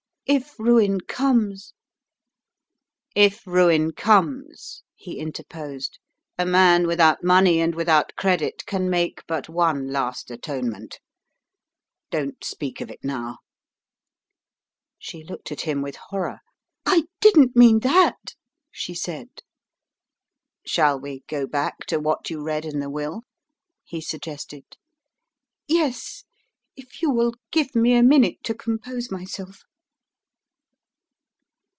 "If ruin comes " "If ruin comes," he interposed, "a man without money and without credit can make but one last atonement. Don't speak of it now." She looked at him with horror. "I didn't mean that!" she said. "Shall we go back to what you read in the will?" he suggested. "Yes if you will give me a minute to compose myself."